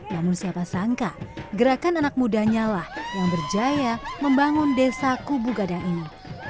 namun siapa sangka gerakan anak mudanya lah yang berjaya membangun desa kubu gadang ini